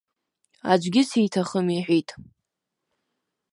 Аӡәгьы сиҭахым иҳәеит.